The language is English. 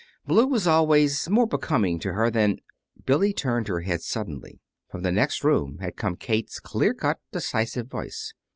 Blue was always more becoming to her than Billy turned her head suddenly. From the next room had come Kate's clear cut, decisive voice.